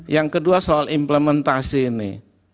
yang kedua soal implementasi ini